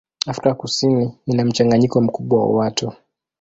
Afrika Kusini ina mchanganyiko mkubwa wa watu.